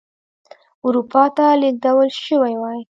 اروپا ته لېږدول شوي وای.